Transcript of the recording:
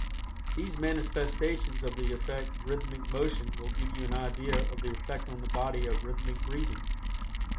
These manifestations of the effect of rhythmic motion will give you an idea of the effect on the body of rhythmic breathing.